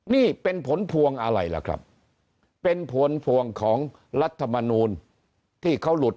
นี่เป็นผลพวงอะไรล่ะครับเป็นผลพวงของรัฐมนูลที่เขาหลุด